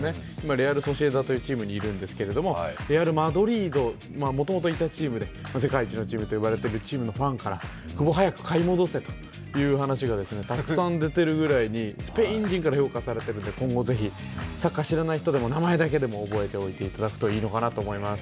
レアル・ソシエダというチームにいるんですけど、レアル・マドリードもともといたチームで、世界一といわれているチームのファンから久保、早く買い戻せという話がたくさん出ているぐらいにスペイン人から評価されているので今後是非、サッカー知らない人でも名前だけでも覚えておいていただくといいのかなと思います。